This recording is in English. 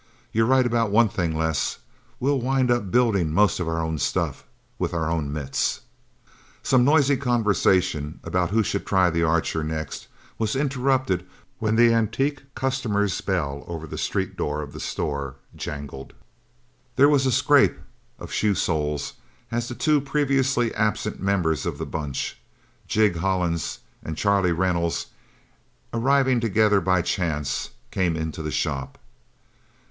"You're right about one thing, Les. We'll wind up building most of our own stuff with our own mitts...!" Some noisy conversation about who should try the Archer next, was interrupted when the antique customer's bell over the street door of the store, jangled. There was a scrape of shoe soles, as the two previously absent members of the Bunch, Jig Hollins and Charlie Reynolds, arriving together by chance, came into the shop.